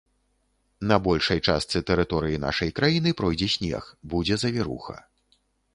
На большай частцы тэрыторыі нашай краіны пройдзе снег, будзе завіруха.